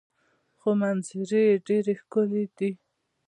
خو منظرې یې ډیرې ښکلې دي.